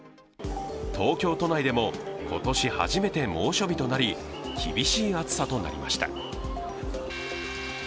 東京都内でも、今年初めて猛暑日となり、厳しい暑さとなりました。